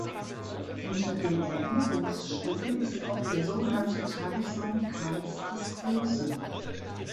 Unter den Erinnerungsstücken ist auch der sogenannte Talisman Karls des Großen.